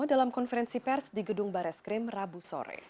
dalam konferensi pers di gedung bares krim rabu sore